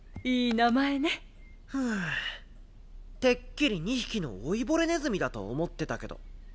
てっきり２匹のおいぼれネズミだと思ってたけど。